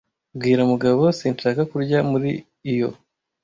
Bwira Mugabo sinshaka kurya muri iyo